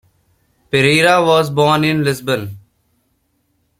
Pereira was born in Lisbon.